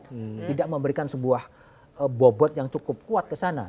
tidak memberikan sebuah bobot yang cukup kuat ke sana